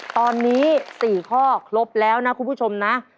ตอนนี้๔ข้อครบแล้วนะคุณผู้ชมนะ